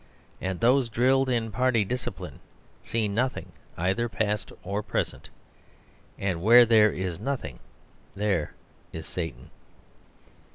And those drilled in party discipline see nothing either past or present. And where there is nothing there is Satan.